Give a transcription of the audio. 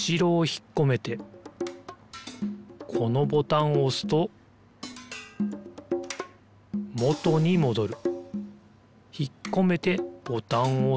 ひっこめてボタンをおすともとにもどる。